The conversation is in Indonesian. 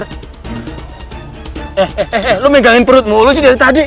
eh eh eh lo menggali perut mulu sih dari tadi